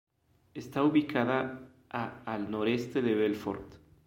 Está ubicada a al noreste de Belfort.